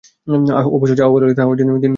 অবশ্য যাহা বলা হইল, তাহা নীতির মূলসূত্র মাত্র।